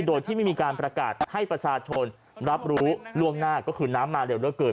โดยที่ไม่มีการประกาศให้ประชาชนรับรู้ล่วงหน้าก็คือน้ำมาเร็วเหลือเกิน